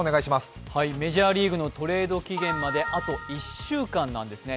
メジャーリーグのトレード期限まであと１週間なんですね。